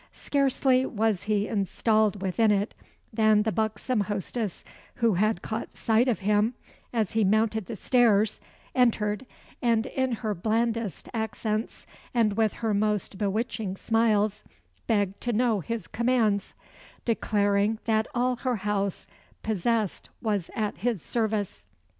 Scarcely was he installed within it, than the buxom hostess, who had caught sight of him as he mounted the stairs, entered, and in her blandest accents, and with her most bewitching smiles, begged to know his commands; declaring that all that her house possessed was at his service.